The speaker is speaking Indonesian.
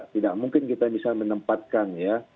tidak mungkin kita bisa menempatkan ya